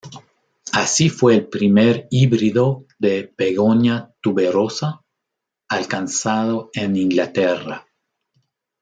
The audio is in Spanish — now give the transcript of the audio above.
Así fue el primer híbrido de "begonia tuberosa" alcanzado en Inglaterra.